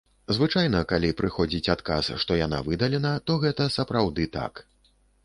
Звычайна, калі прыходзіць адказ, што яна выдалена, то гэта сапраўды так.